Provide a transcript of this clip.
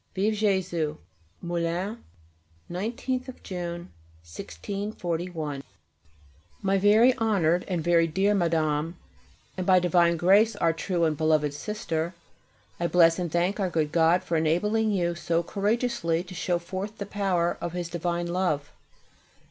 _[A] Vive [+] Jésus! MOULINS, 19th June, 1641. MY VERY HONOURED AND VERY DEAR MADAME, AND BY DIVINE GRACE OUR TRUE AND BELOVED SISTER, I bless and thank our good God for enabling you so courageously to show forth the power of His divine Love.